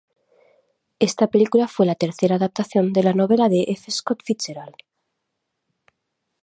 Esta película fue la tercera adaptación de la novela de F. Scott Fitzgerald.